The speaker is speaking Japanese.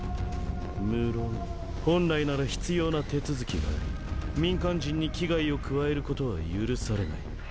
無論本来なら必要な手続きがあり民間人に危害を加えることは許されない。